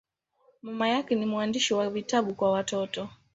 Mama yake ni mwandishi wa vitabu kwa watoto.